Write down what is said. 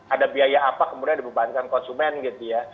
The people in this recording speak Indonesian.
ada biaya apa kemudian dibebankan konsumen gitu ya